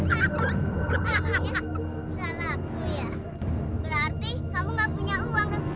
berarti kamu tidak punya uang